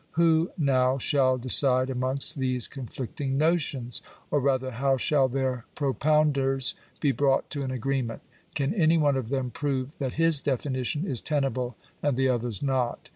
Who now shall decide amongst these conflicting notions ? Or, rather, how shall their propounders be brought to an agreement ? Can any one of them prove that his definition is tenable and the others not